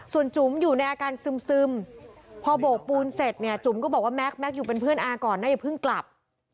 ส่วนจุ๋มอยู่ในอาการซึมพอโบกปูนเสร็จเนี่ยจุ๋มก็บอกว่าแม็กแม็กซอยู่เป็นเพื่อนอาก่อนนะอย่าเพิ่งกลับ